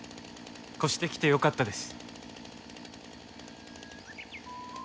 越してきてよかったです。